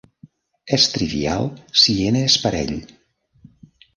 És trivial si "n" és parell.